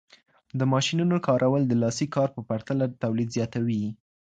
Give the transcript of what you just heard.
د ماشینونو کارول د لاسي کار په پرتله تولید زیاتوي.